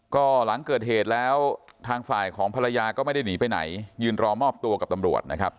ก็หลังเกิดเหตุแล้วทางฝ่ายของภรรยาก็ไม่ได้หนีไปไหนยืนรอมอบตัวกับตำรวจนะครับ